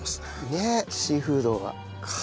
ねっシーフードが。